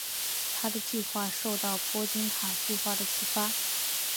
他的计划受到波金卡计划的启发。